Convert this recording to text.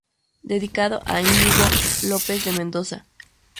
Dedicado a Íñigo López de Mendoza.